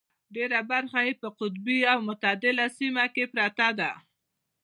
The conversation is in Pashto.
ډېره برخه یې په قطبي او متعدله سیمه کې پرته ده.